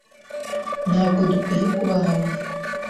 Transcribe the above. Ntabwo dukwiye kuba hamwe.